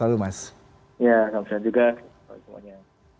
ya terima kasih juga